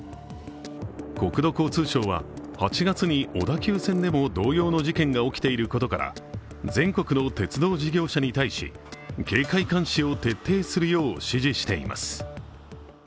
国土交通省は、８月に小田急線でも同様の事件が起きていることから全国の鉄道事業者に対し警戒監視を徹底するよう指示しています。